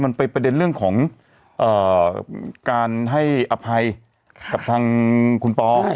มันเป็นประเด็นเรื่องของการให้อภัยกับทางคุณปอ